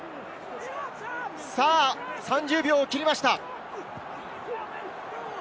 ３０秒を切りました。